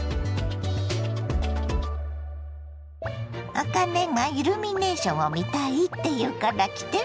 あかねがイルミネーションを見たいって言うから来てみたの。